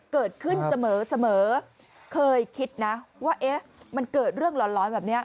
เกิดขึ้นเสมอเคยคิดนะว่ามันเกิดเรื่องร้อนแบบนี้